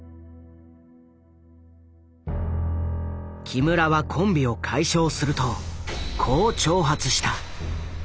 木村はコンビを解消するとこう挑発した。